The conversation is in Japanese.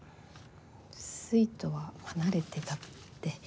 粋とは離れてたって。